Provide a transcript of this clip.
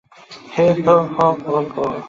হো, হো, হো।